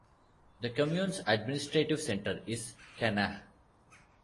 The commune's administrative centre is Canach.